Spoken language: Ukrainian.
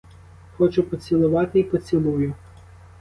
Хочу поцілувати й поцілую!